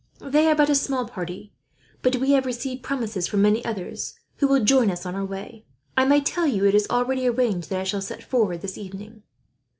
They are but a small party, but we have received promises from many others, who will join us on our way. "I may tell you it is already arranged that I shall set forward this evening.